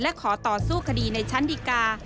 และขอต่อสู้คดีในชั้นดีกา